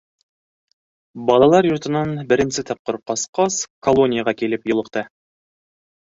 Балалар йортонан беренсе тапҡыр ҡасҡас, колонияға килеп юлыҡты.